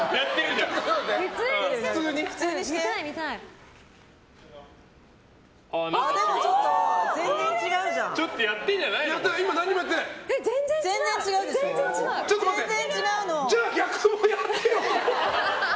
じゃあ、逆もやってよ！